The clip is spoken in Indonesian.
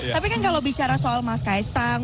tapi kan kalau bicara soal mas kaisang